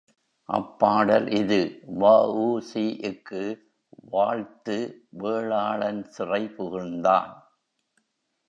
அப்பாடல் இது வ.உ.சி.க்கு வாழ்த்து வேளாளன் சிறை புகுந்தான்.